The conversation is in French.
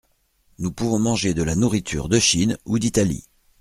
Nous pouvons manger de la nourriture de Chine ou d’Italie.